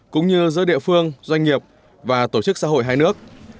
cũng như giữa địa phương doanh nghiệp và tổ chức xã hội hai nước